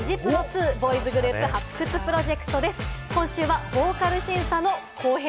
ニジプロ２、ボーイズグループ発掘プロジェクトです。